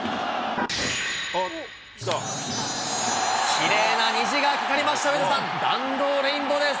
きれいな虹がかかりました、上田さん、弾道レインボーです。